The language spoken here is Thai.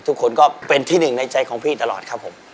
ทุกคนก็เป็นที่หนึ่งในใจของพี่ตลอดครับผม